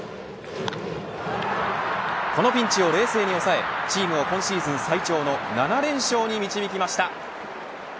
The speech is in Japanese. このピンチを冷静に抑えチームを今シーズン最長の７連勝に導きました。